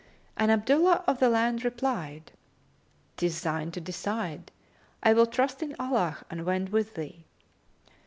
And Abdullah of the Land replied, "'Tis thine to decide, I will trust in Allah and wend with thee."